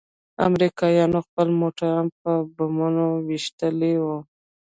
امريکايانوخپل موټران په بمونو ويشتلي وو.